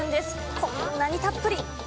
こんなにたっぷり。